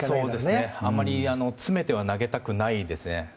あまり、詰めて投げたくないですね。